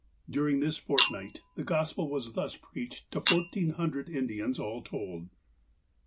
During this fortnight, the Gospel was thus preached to fourteen hundred Indians, all told.